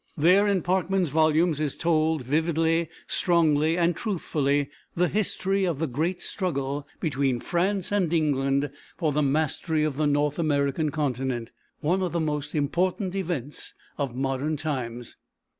There, in Parkman's volumes, is told vividly, strongly, and truthfully, the history of the great struggle between France and England for the mastery of the North American continent, one of the most important events of modern times.